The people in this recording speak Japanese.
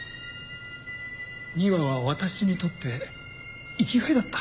美和は私にとって生きがいだった。